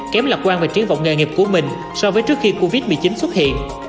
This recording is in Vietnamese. kém lạc quan về triển vọng nghề nghiệp của mình so với trước khi covid một mươi chín xuất hiện